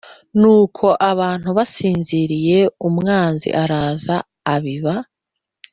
Nuko abantu basinziriye umwanzi araza abiba